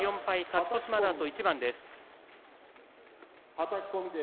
勝ち越しまであと一番です。